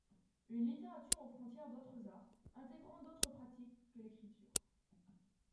Une littérature aux frontières d’autres arts, intégrant d’autres pratiques que l’écriture.